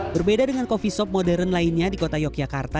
berbeda dengan kopi sop modern lainnya di kota yogyakarta